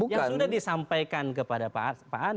yang sudah disampaikan kepada pak anies